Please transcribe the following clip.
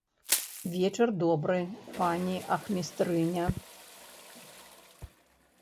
Вечар добры, пані ахмістрыня!